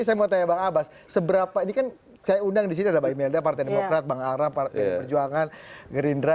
saya mau tanya bang abbas seberapa ini kan saya undang di sini ada bang imelda partai demokrat bang aram partai perjuangan gerindra